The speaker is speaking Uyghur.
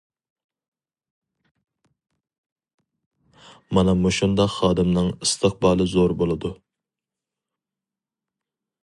مانا مۇشۇنداق خادىمنىڭ ئىستىقبالى زور بولىدۇ.